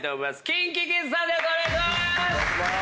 ＫｉｎＫｉＫｉｄｓさんです。